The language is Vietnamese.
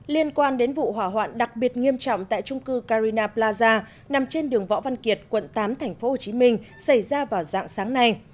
liên quan đến vụ hỏa hoạn đặc biệt nghiêm trọng tại trung cư carina plaza nằm trên đường võ văn kiệt quận tám tp hcm xảy ra vào dạng sáng nay